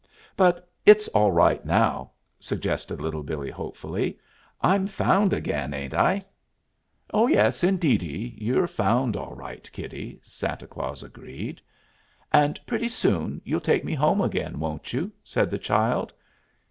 "But it's all right now," suggested Little Billee hopefully. "I'm found again, ain't I?" "Oh, yes, indeedy, you're found all right, kiddie," Santa Claus agreed. "And pretty soon you'll take me home again, won't you?" said the child.